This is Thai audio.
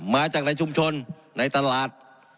มาจากในชุมชนในตลาด